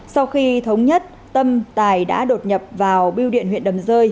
sau khi thống nhất tâm tài đã đột nhập vào biêu điện huyện đầm rơi